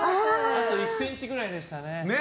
あと１ｃｍくらいでしたね。